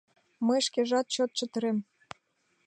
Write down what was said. Мый шкежат чот чытырем.